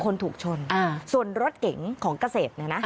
คนถูกชนส่วนรถเก๋งของเกษตรเนี่ยนะ